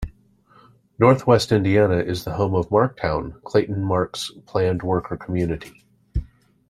Northwest Indiana is the home of Marktown, Clayton Mark's planned worker community.